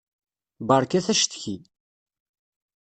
Beṛkat acetki.